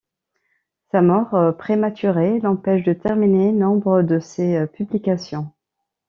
Sa mort prématurée l'empêche de terminer nombre de ses publications.